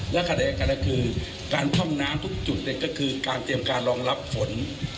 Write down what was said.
และคาดิการก็คือการพ่อมน้ำทุกจุดเนี่ยก็คือการเตรียมการรองรับฝน